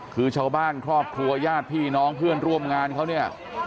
คือชาวบ้านครอบครัวญาติพี่น้องเพื่อนร่วมงานเขาเนี่ย